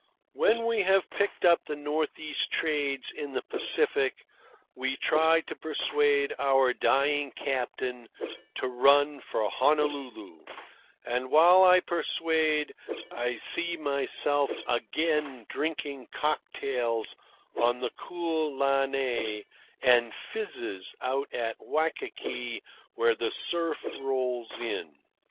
When we have picked up the North east Trades in the Pacific we try to persuade our dying captain to run for Honolulu, and while I persuade I see myself again drinking cocktails on the cool lanais and fizzes out at Waikiki where the surf rolls in.